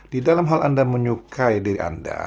di dalam hal anda menyukai diri anda